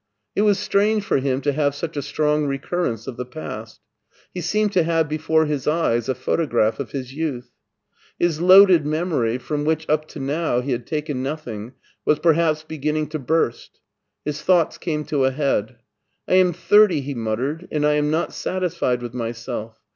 It was strange for him to have such a strong recurrence of the past. He seemed to have before his eyes a photograph of his youth. His loaded memory, from which up to now he had taken nothing, was perhaps beginning to burst. His thoughts came to a head. " I am thirty," he muttered, " and I am not satis fied with myself.